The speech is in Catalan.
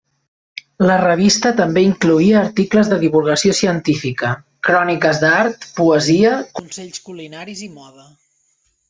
La revista també incloïa articles de divulgació científica, cròniques d'art, poesia, consells culinaris i moda.